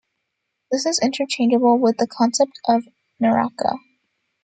This is interchangeable with the concept of Naraka.